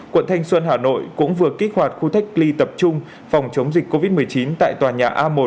quận thanh xuân hà nội cũng vừa kích hoạt khu cách ly tập trung phòng chống dịch covid một mươi chín tại tòa nhà a một